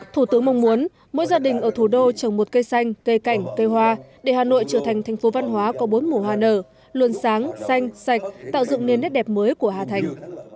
thủ tướng mong muốn mỗi gia đình ở thủ đô trồng một cây xanh cây cảnh cây hoa để hà nội trở thành thành phố văn hóa có bốn mùa hoa nở luôn sáng xanh sạch tạo dựng nên nét đẹp mới của hà thành